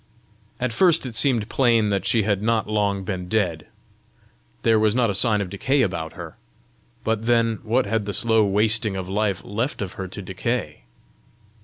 At first it seemed plain that she had not long been dead: there was not a sign of decay about her! But then what had the slow wasting of life left of her to decay?